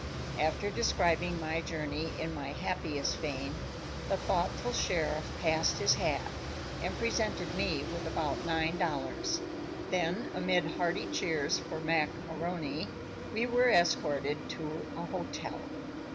After describing my journey in my happiest vein, the thoughtful sheriff passed his hat and presented me with about nine dollars. Then amid hearty cheers for Mac A'Rony, we were escorted to a hotel.